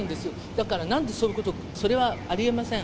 だからなんでそういうこと、それはありえません。